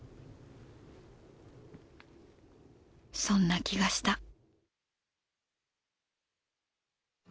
そんな気がした